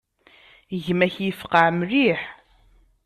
Gma-k yefqeɛ mliḥ.